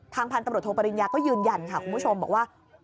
พันธุ์ตำรวจโทปริญญาก็ยืนยันค่ะคุณผู้ชมบอกว่า